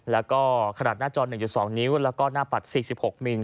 แล้วก็ขนาดหน้าจอ๑๒นิ้วแล้วก็หน้าปัด๔๖มิล